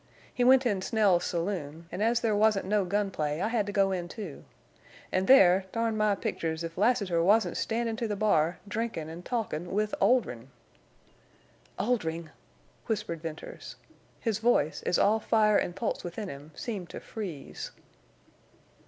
He went in Snell's saloon, an' as there wasn't no gun play I had to go in, too. An' there, darn my pictures, if Lassiter wasn't standin' to the bar, drinking en' talkin' with Oldrin'." "Oldring!" whispered Venters. His voice, as all fire and pulse within him, seemed to freeze.